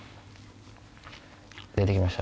出て来ました